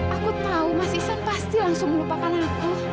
aku tahu mas isan pasti langsung melupakan aku